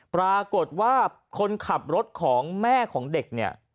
ปรากฏว่าคนขับรถของแม่ของเด็กเนี่ย